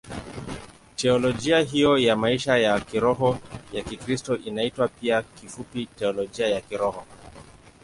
Teolojia hiyo ya maisha ya kiroho ya Kikristo inaitwa pia kifupi Teolojia ya Kiroho.